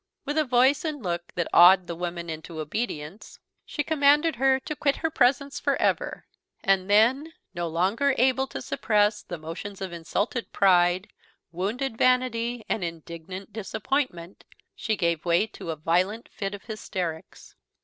With a voice and look that awed the woman in to obedience, she commanded her to quit her presence for ever; and then, no longer able to suppress the motions of insulted pride, wounded vanity, and indignant disappointment, she gave way to a violent fit of hysterics.